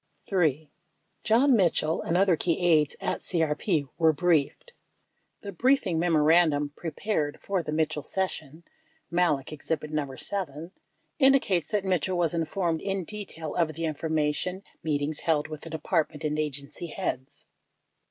3. John Mitchell and other key aides at CRP were briefed. 59 The briefing memorandum prepared for the Mitchell session (Malek ex hibit No. 7) indicates that Mitchell was informed in detail of the information meetings held with the department and agency heads.